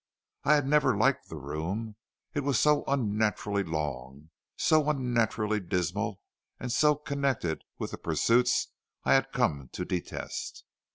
I had never liked the room, it was so unnaturally long, so unnaturally dismal, and so connected with the pursuits I had come to detest.